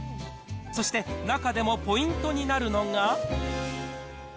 そして中でもポイントになるのが。